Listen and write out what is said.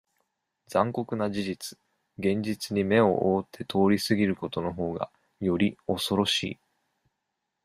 残酷な事実、現実に目を覆って通り過ぎることの方が、より、恐ろしい。